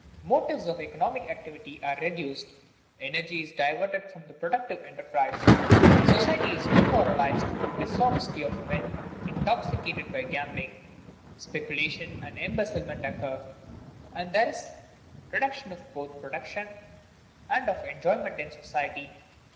Motives of economic activity are reduced; energy is diverted from productive enterprise; society is demoralized through dishonesty of men intoxicated by gambling; speculation and embezzlement occur; and there is a reduction both of production and of enjoyment in society.